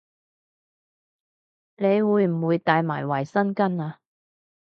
你會唔會帶埋衛生巾吖